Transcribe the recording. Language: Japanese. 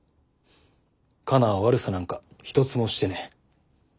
カナは悪さなんか一つもしてねえ。